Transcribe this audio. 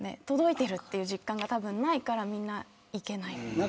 届いてるっていう実感がないからみんな行けない。